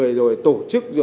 người tổ chức